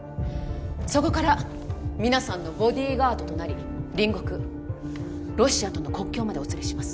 そこから皆さんのボディーガードとなり隣国ロシアとの国境までお連れします